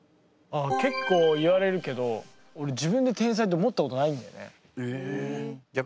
けっこう言われるけどおれ自分で天才って思ったことないんだよね。